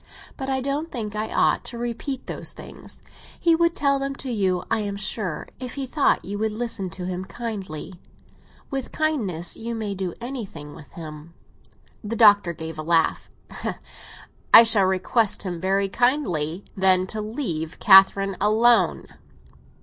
But I don't think I ought to repeat those things. He would tell them to you, I am sure, if he thought you would listen to him kindly. With kindness you may do anything with him." The Doctor gave a laugh. "I shall request him very kindly, then, to leave Catherine alone."